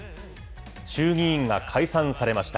衆議院が解散されました。